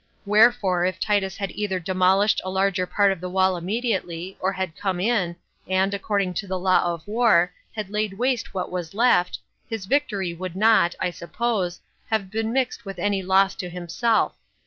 Wherefore, if Titus had either demolished a larger part of the wall immediately, or had come in, and, according to the law of war, had laid waste what was left, his victory would not, I suppose, have been mixed with any loss to himself.